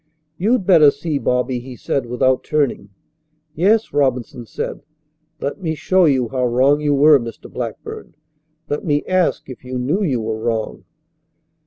"You'd better see, Bobby," he said without turning. "Yes," Robinson said. "Let me show you how wrong you were, Mr. Blackburn. Let me ask if you knew you were wrong."